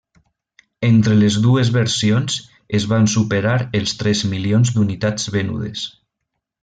Entre les dues versions es van superar els tres milions d'unitats venudes.